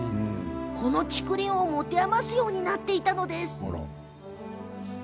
この竹林を持て余すようになっていたのです。